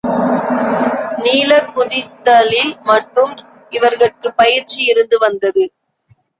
நீளக்குதித்தலில் மட்டும் இவர்கட்குப் பயிற்சி இருந்து வந்தது.